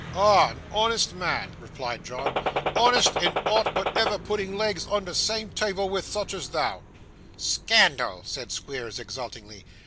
'Ah! an honest man,' replied John; 'honest in ought but ever putting legs under seame table wi' such as thou.' 'Scandal!' said Squeers, exultingly.